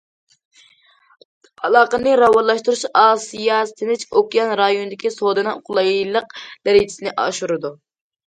ئالاقىنى راۋانلاشتۇرۇش ئاسىيا تىنچ ئوكيان رايونىدىكى سودىنىڭ قولايلىق دەرىجىسىنى ئاشۇرىدۇ.